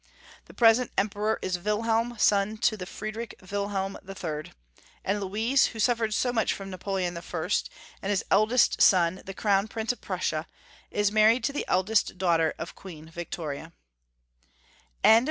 The present Emperor is Wilhelm, son to the Friedrich Wilhehn III. and Louise, who suffered so much from Napo leon I. ; and his eldest son, the Crown Prince of Prussia, is married to the eldest daughter of Queen Victoria , N EW PUBLICATI ONS.